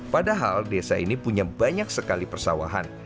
padahal desa ini punya banyak sekali persawahan